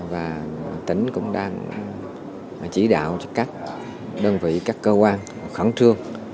và tỉnh cũng đang chỉ đạo các đơn vị các cơ quan khẩn trương